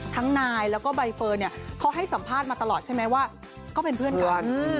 นายแล้วก็ใบเฟิร์นเนี่ยเขาให้สัมภาษณ์มาตลอดใช่ไหมว่าเขาเป็นเพื่อนกัน